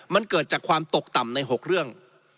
มันเกิดจากความตกต่ำใน๖เรื่อง